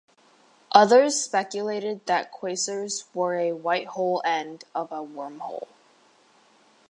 Others speculated that quasars were a white hole end of a wormhole.